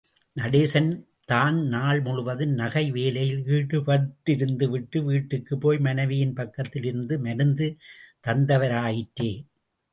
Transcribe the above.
நடேசன் தான் நாள் முழுவதும் நகை வேலையில் ஈடுபட்டிருந்துவிட்டு, வீட்டுக்குப் போய் மனைவியின் பக்கத்தில் இருந்து மருந்து தந்தவராயிற்றே!